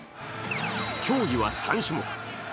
競技は３種目。